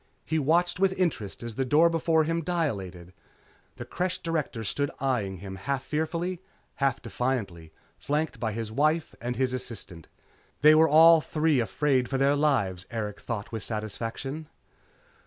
He watched with interest as the door before him dilated. The Creche Director stood eyeing him half fearfully, half defiantly, flanked by his wife and his assistant. They were all three afraid for their lives, Erikson thought with satisfaction.